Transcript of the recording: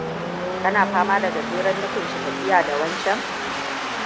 kana fama da gajeren nufanshi tafiya da wan can?